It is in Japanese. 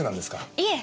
いえ。